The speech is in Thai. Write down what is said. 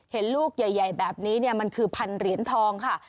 เห็นลูกใหญ่แบบนี้มันคือพันเหรียญทองค่ะ